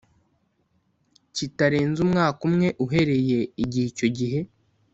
kitarenze umwaka umwe uhereye igihe icyo gihe